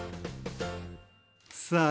さあ